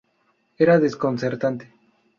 Era desconcertante.